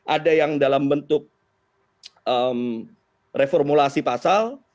ada yang dalam bentuk reformulasi pasal